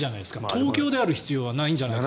東京である必要はないんじゃないかと。